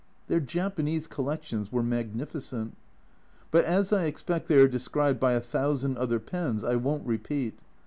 Their Japanese collections were magnificent. But as I expect they are described by a thousand other pens, I won't repeat.